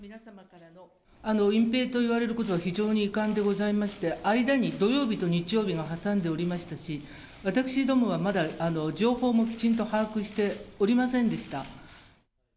隠蔽と言われることは非常に遺憾でございまして、間に土曜日と日曜日が挟んでおりましたし、私どもはまだ情報もきちんと把握しておりませんでした。